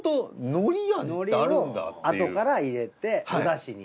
のりをあとから入れておだしに。